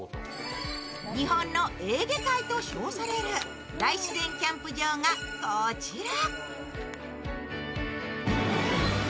日本のエーゲ海と称される大自然キャンプ場がこちら。